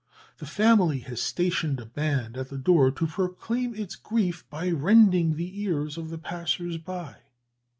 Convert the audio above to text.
The family has stationed a band at the door to proclaim its grief by rending the ears of the passers by.